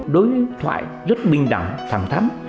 đối thoại rất bình đẳng thẳng thắn